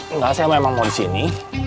enggak saya memang mau di sini